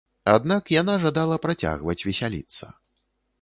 Аднак яна жадала працягваць весяліцца.